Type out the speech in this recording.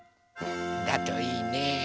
だといいね。